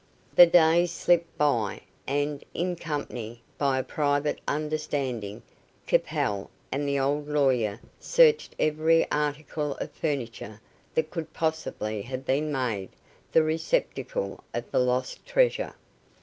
The days slipped by, and in company, by a private understanding, Capel and the old lawyer searched every article of furniture that could possibly have been made the receptacle of the lost treasure.